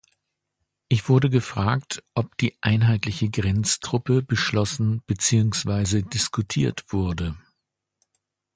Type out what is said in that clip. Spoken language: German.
Ich wurde gefragt, ob die einheitliche Grenztruppe beschlossen beziehungsweise diskutiert wurde.